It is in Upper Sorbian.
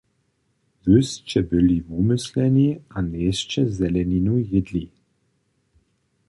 Wy sće byli wumysleni a njejsće zeleninu jědli.